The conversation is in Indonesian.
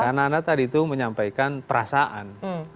karena anda tadi itu menyampaikan perasaan